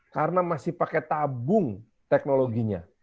karena masih pakai tabung teknologi